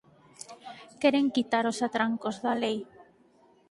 Queren quitar os atrancos da Lei